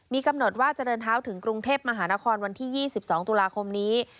มีกำหนดว่าจะเดินเท้าถึงกรุงเทพมหานครวันที่๒๒ตุลาคมนี้